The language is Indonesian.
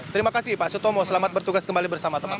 terima kasih pak sutomo selamat bertugas kembali bersama teman teman